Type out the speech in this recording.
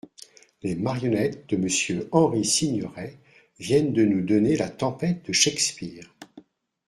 Les marionnettes de Monsieur Henri Signoret viennent de nous donner la Tempête de Shakespeare.